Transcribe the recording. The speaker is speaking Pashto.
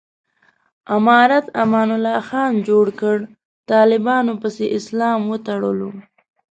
امارت امان الله خان جوړ کړ، طالبانو پسې اسلامي وتړلو.